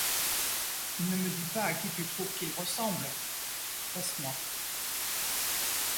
Ne me dis pas à qui tu trouves qu’il ressemble! — Laisse-moi.